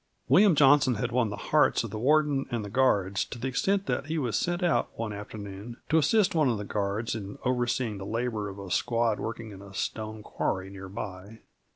William Johnson had won the hearts of the Warden and the guards to that extent that he was sent out one afternoon to assist one of the guards in overseeing the labor of a squad working in a stone quarry near by.